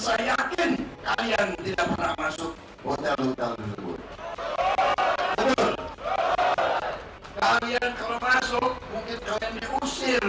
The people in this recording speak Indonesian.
kalian kalau masuk mungkin jangan diusir